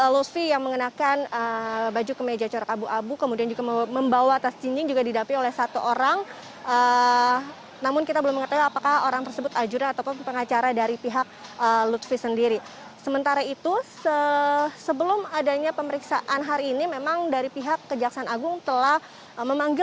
lutfi yang menggunakan kemeja corak abu abu terlihat membawa tas jinjing namun ia belum mau memberikan komentar terkait kedatangan kejagung hari ini